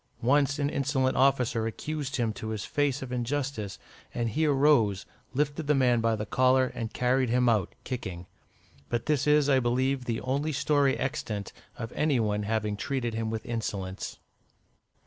Once an insolent officer accused him to his face of injustice, and he arose, lifted the man by the collar, and carried him out, kicking. But this is, I believe, the only story extant of any one having treated him with insolence.